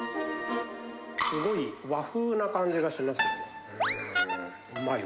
すごい和風な感じがします。